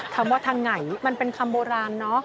คำว่าทางไหนมันเป็นคำโบราณเนอะ